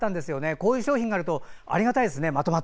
こういう商品があるとありがたいですね。